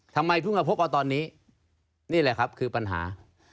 ทำไมเพิ่งมาพบกันตอนนี้นี่แหละครับคือปัญหา